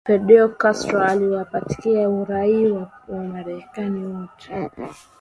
Fidel Castro aliwapatia uraia wamarekani wote